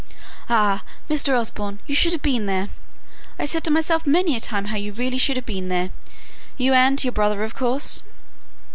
"Ah! Mr. Osborne, you should have been there! I said to myself many a time how you really should have been there you and your brother, of course."